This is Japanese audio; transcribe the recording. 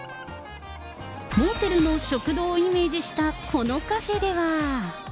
モーテルの食堂をイメージしたこのカフェでは。